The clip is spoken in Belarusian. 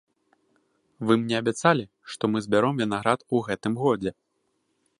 Вы мне абяцалі, што мы збяром вінаград у гэтым годзе.